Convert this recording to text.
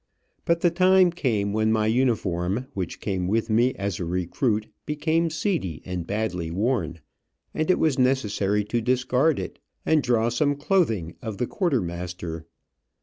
But the time came when my uniform, which came with me as a recruit, became seedy, and badly worn, and it was necessary to discard it, and draw some clothing of the quartermaster.